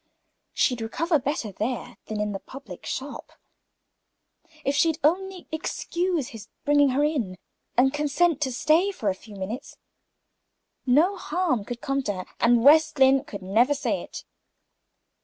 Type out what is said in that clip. "She'd recover better there than in the public shop if she'd only excuse his bringing her in, and consent to stop for a few minutes. No harm could come to her, and West Lynne could never say it.